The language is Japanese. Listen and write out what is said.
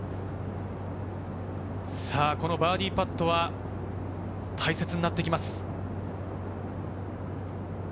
バーディーパットは大切になってきます。